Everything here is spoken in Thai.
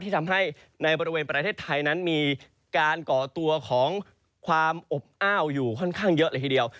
ทำให้ในบริเวณประเทศไทยนั้นมีการก่อตัวของความอบอ้าวอยู่ค่อนข้างเยอะเลยทีเดียว